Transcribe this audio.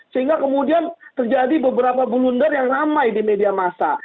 sehingga kemudian terjadi beberapa bulunder yang ramai di media masa